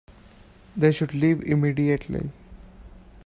They should leave immediately.